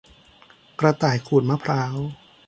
กระต่ายขูดมะพร้าว